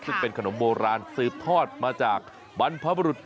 ซึ่งเป็นขนมโบราณสืบทอดมาจากบรรพบรุษ